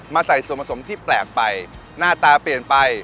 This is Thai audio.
ใส่ส่วนผสมที่แปลกไปหน้าตาเปลี่ยนไป